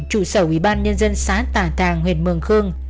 chủ sở ubnd xã tà thàng huyện mường khương